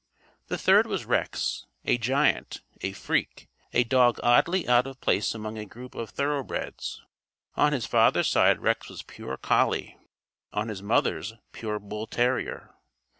The third was Rex a giant, a freak, a dog oddly out of place among a group of thoroughbreds. On his father's side Rex was pure collie; on his mother's, pure bull terrier.